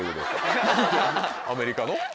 アメリカの？